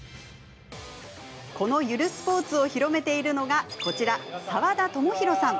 このゆるスポーツを広めているのが、こちら澤田智洋さん。